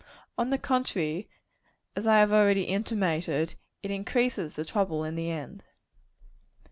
On the contrary, as I have already intimated, it increases the trouble in the end.